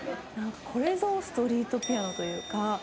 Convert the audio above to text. これぞストリートピアノというか。